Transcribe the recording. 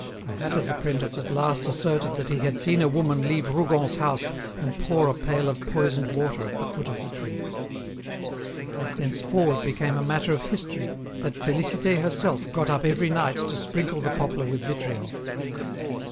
A hatter's apprentice at last asserted that he had seen a woman leave Rougon's house and pour a pail of poisoned water at the foot of the tree. It thenceforward became a matter of history that Félicité herself got up every night to sprinkle the poplar with vitriol.